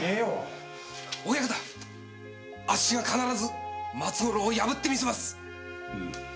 親方アッシが必ず松五郎を破って見せます。